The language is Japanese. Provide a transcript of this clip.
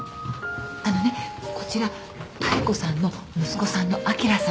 あのねこちら妙子さんの息子さんのあきらさん。